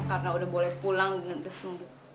karena udah boleh pulang dan udah sembuh